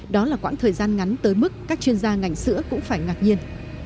đó là quãng thời gian ngắn tới mức các chuyên gia ngành sữa cũng phải ngạc nhiên